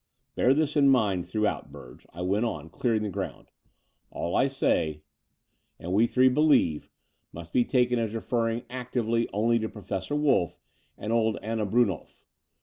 "Bear this in mind throughout, Burge," I went on, clearing the ground — "all I say, and we three IS 226 The Door of the Unreal believe, must be taken as referring actively only to Professor Wolff and old Anna Bninnolf.